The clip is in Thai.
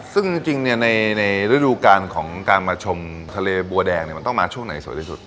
ซึ่งจริงในฤดูการของการมาชมทะเลบัวแดงมันต้องมาช่วงไหนสวยที่สุด